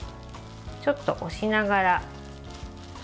ちょっと押しながら。